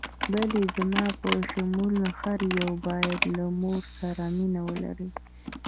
بلې، زما په شمول هر یو باید له مور سره مینه ولري.